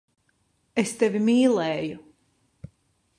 Es tevi mīlēju.